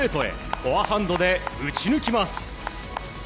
フォアハンドで打ち抜きます。